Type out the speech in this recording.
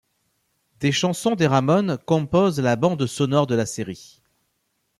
Des chansons des Ramones composent la bande sonore de la série.